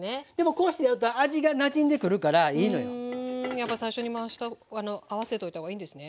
やっぱ最初に合わせといた方がいいんですね。